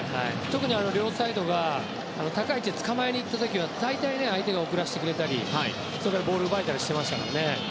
特に両サイドが高い位置でつかまえにいった時は大体、相手が遅らせてくれたりボールを奪えたりしてましたからね。